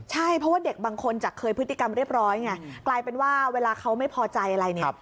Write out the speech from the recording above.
ใช่เพราะว่าเด็กบางคนจากเคยพฤติกรรมเรียบร้อยไงกลายเป็นว่าเวลาเขาไม่พอใจอะไรเนี่ย